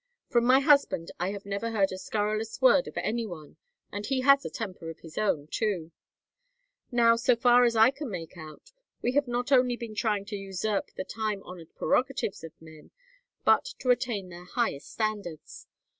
From my husband I have never heard a scurrilous word of any one, and he has a temper of his own, too. Now, so far as I can make out, we have not only been trying to usurp the time honored prerogatives of men, but to attain their highest standards.